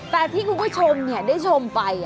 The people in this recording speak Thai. แต่ที่กูคุณคุยชมนี่ได้ชมไป